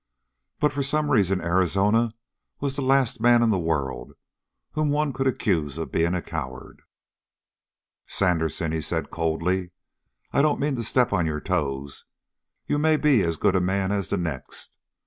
But for some reason Arizona was the last man in the world whom one could accuse of being a coward. "Sandersen," he said coldly, "I don't mean to step on your toes. You may be as good a man as the next.